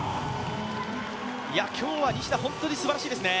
今日は西田、本当にすばらしいですね。